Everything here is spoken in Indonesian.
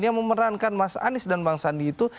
yang memerankan mas anies dan bang sandi itu